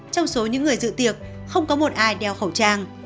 trong số những người dự tiệc không có một ai đeo khẩu trang